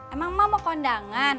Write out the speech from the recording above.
emang mak mau kondangan